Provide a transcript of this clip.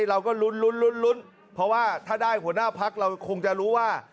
เราก็ลุ้นลุ้นเพราะว่าถ้าได้หัวหน้าพักเราคงจะรู้ว่า